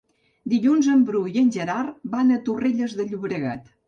Dilluns en Bru i en Gerard van a Torrelles de Llobregat.